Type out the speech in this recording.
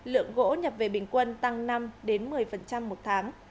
lượng gỗ nhập về bình quân tăng năm một mươi một tháng